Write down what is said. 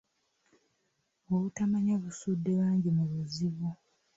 Obutamanya busudde bangi mu buzibu.